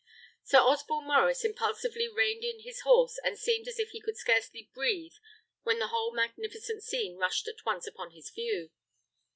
Sir Osborne Maurice impulsively reined in his horse, and seemed as if he could scarcely breathe when the whole magnificent scene rushed at once upon his view.